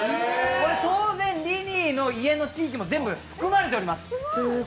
当然、リリーの家の地域も全部含まれています。